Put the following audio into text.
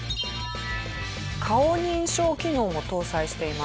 顔認証機能も搭載しています。